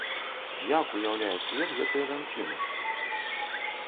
Як уяўляе свет гэтая жанчына?